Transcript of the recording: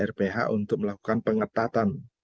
rph untuk melakukan pengetatan